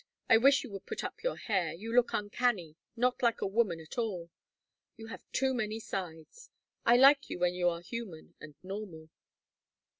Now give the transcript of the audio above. I wish you would put up your hair. You look uncanny, not like a woman at all. You have too many sides. I like you when you are human and normal."